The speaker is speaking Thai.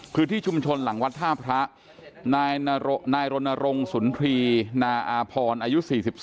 กรุงชมชนหลังวัดท่าพระนายร่นนรงสุนพรีนาอาพรอายุ๔๒